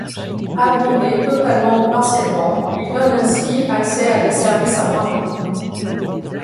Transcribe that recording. Abondé totalement ou partiellement, il donne ainsi accès à des services à moindre coût.